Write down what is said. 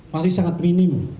masih sangat minim